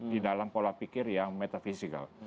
di dalam pola pikir yang metafisikal